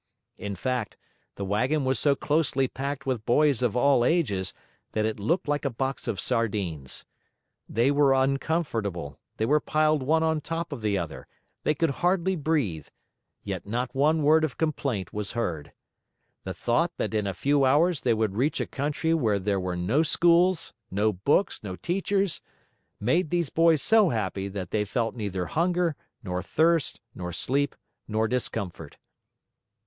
In fact the wagon was so closely packed with boys of all ages that it looked like a box of sardines. They were uncomfortable, they were piled one on top of the other, they could hardly breathe; yet not one word of complaint was heard. The thought that in a few hours they would reach a country where there were no schools, no books, no teachers, made these boys so happy that they felt neither hunger, nor thirst, nor sleep, nor discomfort.